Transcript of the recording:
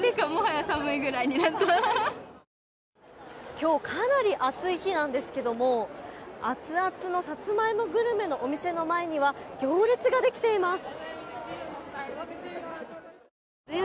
今日、かなり暑い日なんですけどもアツアツのサツマイモグルメのお店の前には行列ができています。